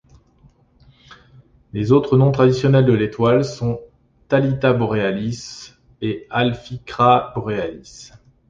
Les autres noms traditionnels de l'étoile sont Talitha Borealis et Alphikra Borealis.